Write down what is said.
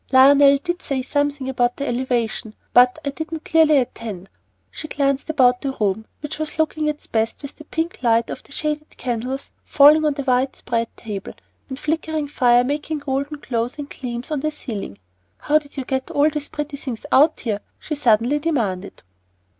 Lionel did say something about the elevation, but I didn't clearly attend." She glanced about the room, which was looking its best, with the pink light of the shaded candles falling on the white spread table, and the flickering fire making golden glows and gleams on the ceiling. "How did you get all these pretty things out here?" she suddenly demanded.